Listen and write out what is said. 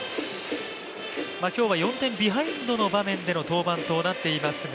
今日は４点ビハインドでの登板となっていますが